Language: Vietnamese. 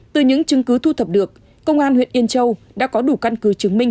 từ những chứng cứ thu thập được công an huyện yên châu đã có đủ căn cứ chứng minh